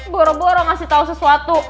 boro boro ngasih tau sesuatu